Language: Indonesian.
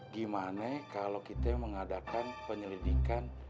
gimana kalau kita mengadakan penyelidikan